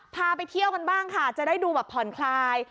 พาไปเที่ยวกันบ้างค่ะจะได้ดูแบบผ่อนคลาย